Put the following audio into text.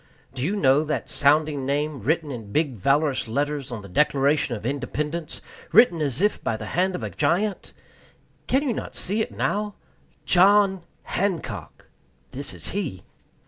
Do you know that sounding name, written in big valorous letters on the Declaration of Independence written as if by the hand of a giant? Can you not see it now? JOHN HANCOCK. This is he.